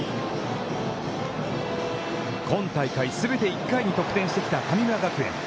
今大会全て１回に得点してきた神村学園。